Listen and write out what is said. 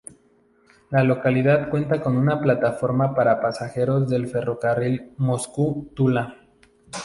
La localidad cuenta con una plataforma para pasajeros del ferrocarril Moscú-Tula.